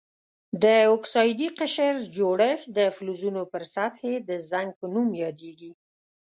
د اکسایدي قشر جوړښت د فلزونو پر سطحې د زنګ په نوم یادیږي.